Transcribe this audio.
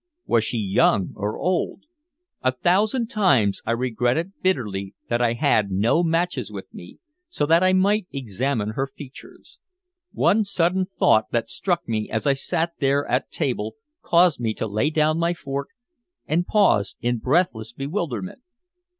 Was she young or old? A thousand times I regretted bitterly that I had no matches with me so that I might examine her features. One sudden thought that struck me as I sat there at table caused me to lay down my fork and pause in breathless bewilderment.